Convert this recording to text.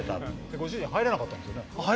ご主人は入れなかったんですよね。